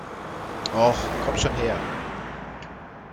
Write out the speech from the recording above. Och, komm schon her!